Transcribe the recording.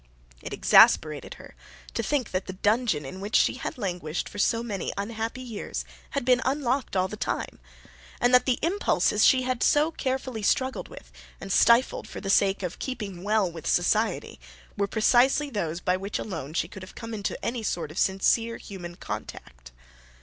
It exasperated her to think that the dungeon in which she had languished for so many unhappy years had been unlocked all the time, and that the impulses she had so carefully struggled with and stifled for the sake of keeping well with society, were precisely those by which alone she could have come into any sort of sincere human contact.